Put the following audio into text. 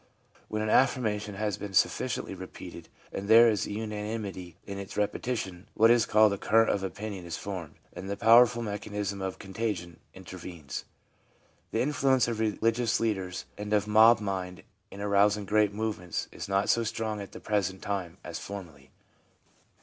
... When an affirmation has been sufficiently repeated, and there is unanimity in its repeti tion, what is called a current of opinion is formed, and the powerful mechanism of contagion intervenes/ 1 The influence of religious leaders and of mob mind in arous ing great movements is not so strong at the present time as formerly.